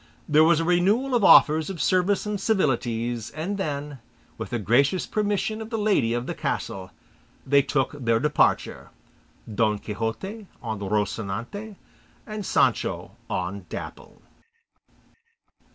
There was a renewal of offers of service and civilities, and then, with the gracious permission of the lady of the castle, they took their departure, Don Quixote on Rocinante, and Sancho on Dapple.